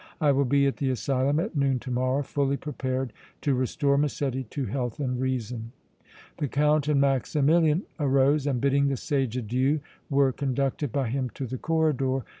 I will be at the asylum at noon to morrow, fully prepared to restore Massetti to health and reason!" The Count and Maximilian arose and bidding the sage adieu were conducted by him to the corridor.